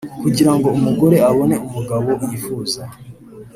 Kugirango umugore abone umugabo yifuza